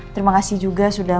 terima kasih juga sudah